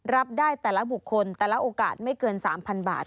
รับได้แต่ละบุคคลแต่ละโอกาสไม่เกิน๓๐๐๐บาท